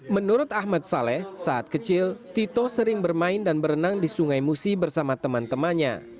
menurut ahmad saleh saat kecil tito sering bermain dan berenang di sungai musi bersama teman temannya